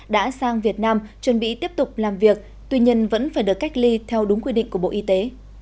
đã sang việt nam chuẩn bị tiếp tục làm việc tuy nhiên vẫn phải được cách ly theo đúng quy định của bộ y tế